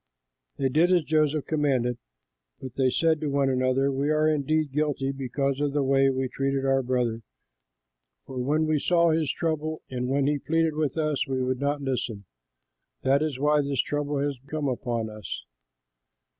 They did as Joseph commanded, but they said to one another, "We are indeed guilty because of the way we treated our brother, for when we saw his trouble and when he pleaded with us, we would not listen. That is why this trouble has come upon us."